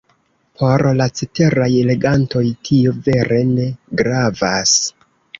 Por la ceteraj legantoj, tio vere ne gravas.